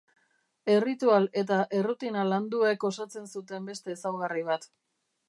Erritual eta errutina landuek osatzen zuten beste ezaugarri bat.